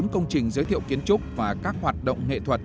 bốn công trình giới thiệu kiến trúc và các hoạt động nghệ thuật